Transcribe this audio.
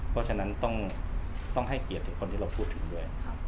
เพราะฉะนั้นต้องให้เกียรติถึงคนที่เราพูดถึงด้วย